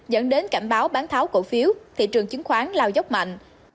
dẫn đến cảnh báo bán tháo cổ phiếu thị trường chứng khoán lao dốc mạnh